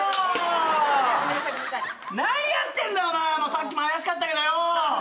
さっきも怪しかったけどよ。